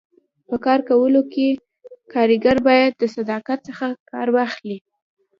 په کار کولو کي کاریګر باید د صداقت څخه کار واخلي.